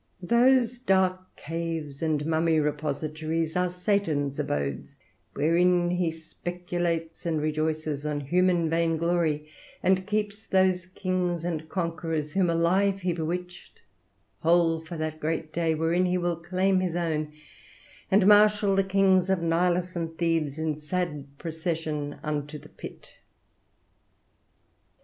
For those dark caves and mummy repositories are Satan's abodes, wherein he speculates and rejoices on human vainglory, and keeps those kings and conquerors, whom alive he bewitched, whole for that great day when he will claim his own, and marshal the kings of Nilus and Thebes in sad procession unto the pit.